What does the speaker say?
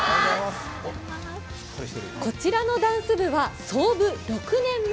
こちらのダンス部は創部６年目。